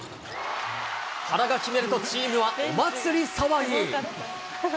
原が決めると、チームはお祭り騒ぎ。